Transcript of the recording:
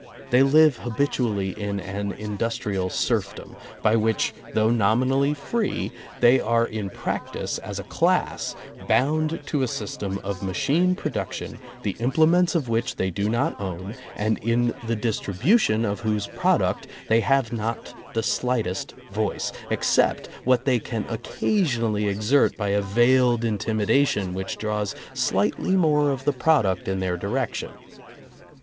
They live habitually in an industrial serfdom, by which though nominally free, they are in practice as a class bound to a system of machine production the implements of which they do not own, and in the distribution of whose product they have not the slightest voice, except what they can occa sionally exert by a veiled intimidation which draws slightly more of the product in their direc tion.